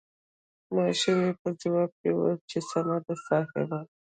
ماشومې په ځواب کې وويل چې سمه ده صاحب.